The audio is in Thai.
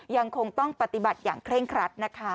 ยังคงต้องปฏิบัติอย่างเคร่งครัดนะคะ